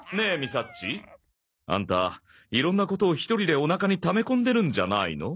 さっちアンタいろんなことを１人でおなかにため込んでるんじゃないの？